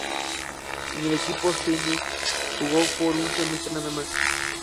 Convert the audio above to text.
En el equipo "Xeneize" jugó por un semestre nada más.